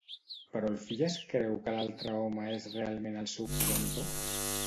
Però el fill es creu que l'altre home és realment el seu progenitor?